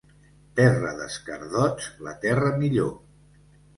Terra d'escardots, la terra millor.